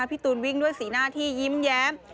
พี่ตูนวิ่งด้วยสีหน้าที่ยิ้มแย้ม